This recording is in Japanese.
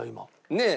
ねえ。